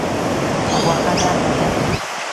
غوښه نرمه ده.